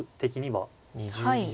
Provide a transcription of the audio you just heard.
はい。